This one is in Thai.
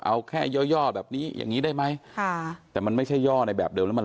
เอาแค่ย่อย่อแบบนี้อย่างงี้ได้ไหมค่ะแต่มันไม่ใช่ย่อในแบบเดิมแล้วมัน